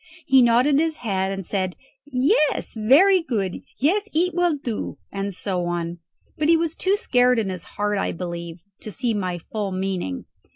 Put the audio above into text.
He nodded his head, and said, "Yes, very good; yes, it will do," and so on; but was too scared in his heart, I believe, to see my full meaning.